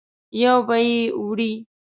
یو به یې وړې.